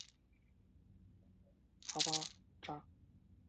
阿巴扎。